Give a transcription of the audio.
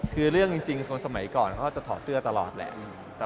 คือเรื่องจริงคนสมัยก่อนเขาก็จะถอดเสื้อตลอดแหละ